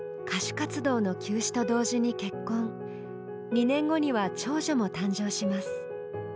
２年後には長女も誕生します。